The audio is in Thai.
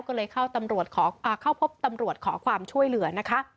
ก็เลยเข้าพบตำรวจขอความช่วยเหลือนะคะ